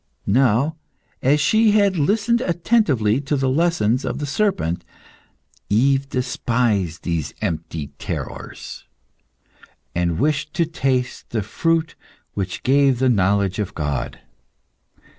Now, as she had listened attentively to the lessons of the serpent, Eve despised these empty terrors, and wished to taste the fruit which gave the knowledge of God.